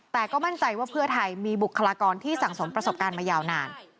แต่ก็มั่นใจว่าเพื่อไทยมีบุคลากรที่สั่งสมประสบการณ์มายาวนาน